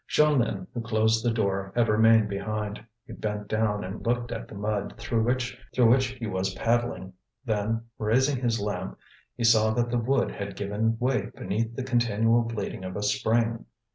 Jeanlin, who closed the door, had remained behind. He bent down and looked at the mud through which he was paddling, then, raising his lamp, he saw that the wood had given way beneath the continual bleeding of a spring.